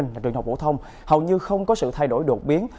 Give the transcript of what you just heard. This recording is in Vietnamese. trường học phổ thông hầu như không có sự thay đổi đột biến